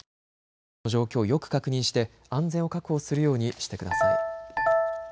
周囲の状況をよく確認して安全を確保するようにしてください。